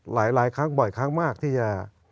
หลายครั้งบ่อยครั้งมากที่จะ